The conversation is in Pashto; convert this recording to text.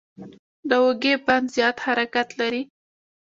د اوږې بند زیات حرکت لري.